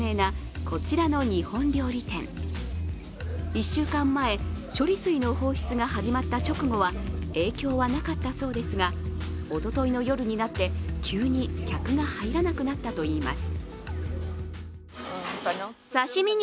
１週間前、処理水の放出が始まった直後は影響はなかったそうですがおとといの夜になって急に客が入らなくなったといいます。